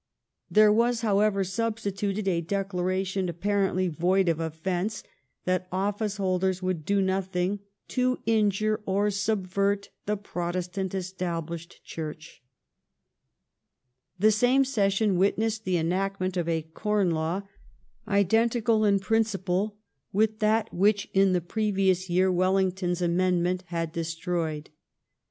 There was, however, substituted a declaration, apparently void of offence, that office holders would do nothing " to injure or subvert the Protestant Established Church''. The same session witnessed the enactment of a Corn Law, com identical in principle with that which in the previous year Well La\ys : ington's amendment had destroyed.